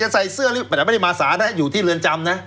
แต่ไม่ได้มาสานนะอยู่ที่เรือนจำนะ